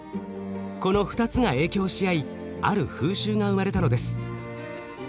この２つが影響しあいある風習が生まれたのです。